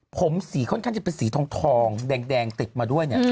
ผมสีค่อนข้างจะเป็นสีทองแดงติดมาด้วยเนี่ย